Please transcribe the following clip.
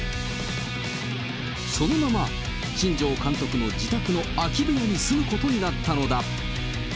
そのまま新庄監督の自宅の空き部屋に住むことになったのだ。